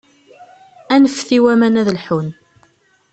Anfet i waman ad lḥun.